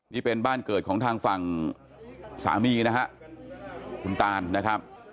นี่เป็นบ้านเกิดของทางฝั่งสามีนะฮะคุณตานนะครับ